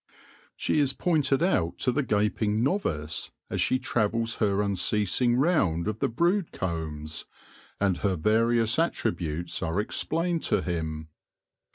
She is pointed out to the gaping novice as she travels her unceasing round of the brood combs, and her various attributes are explained to him.